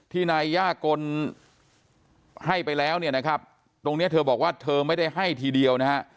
นายย่ากลให้ไปแล้วเนี่ยนะครับตรงนี้เธอบอกว่าเธอไม่ได้ให้ทีเดียวนะฮะ